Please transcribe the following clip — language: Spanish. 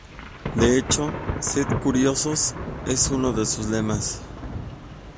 De hecho, "Sed curiosos" es uno de sus lemas.